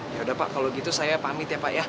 ya udah pak kalau gitu saya pamit ya pak ya